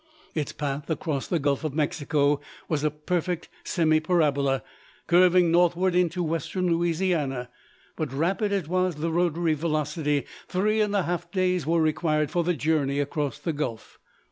Its path across the Gulf of Mexico was a perfect semi parabola, curving northward into western Louisiana; but rapid as was the rotary velocity, three and a half days were required for the journey across the gulf.